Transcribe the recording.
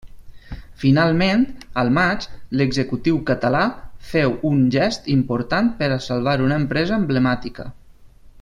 Finalment, al maig, l'executiu català féu un gest important per a salvar una empresa emblemàtica.